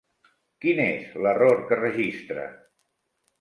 Quin és l'error que registra?